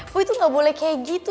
boy tuh nggak boleh kayak gitu